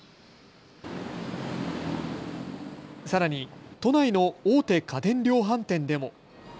さらに都内の大手家電量販店でも。